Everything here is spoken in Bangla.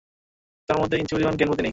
তার মধ্যে ইঞ্চি পরিমাণ জ্ঞান-বুদ্ধি নেই।